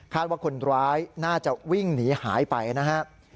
ว่าคนร้ายน่าจะวิ่งหนีหายไปนะครับ